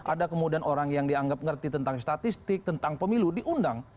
ada kemudian orang yang dianggap mengerti tentang statistik tentang pemilu diundang